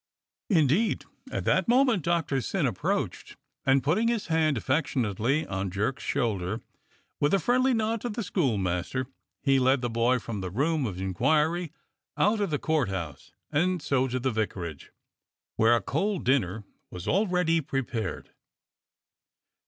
Indeed at that moment Doctor Syn approached and, putting his hand affectionately on Jerk's shoulder, with a friendly nod to the schoolmaster, he led the boy from the room of inquiry out of the Court House and so to the vicarage, where a cold dinner was already prepared.